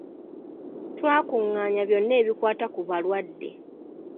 Twakungaanya byonna ebikwata ku balwadde.